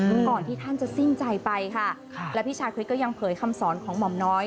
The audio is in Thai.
ก่อนที่ท่านจะสิ้นใจไปค่ะแล้วพี่ชาคริสก็ยังเผยคำสอนของหม่อมน้อย